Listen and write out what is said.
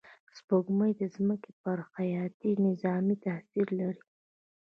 سپوږمۍ د ځمکې پر حیاتي نظام تأثیر لري